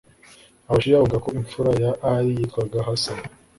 abashiya babonaga ko imfura ya ʽalī yitwaga ḥasan,